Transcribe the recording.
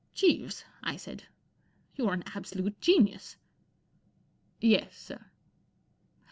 ' Jeeves," I said, ' you're an absolute genius !"" Yes, sir.